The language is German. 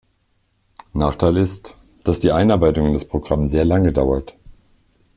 Nachteil ist, dass die Einarbeitung in das Programm sehr lange dauert.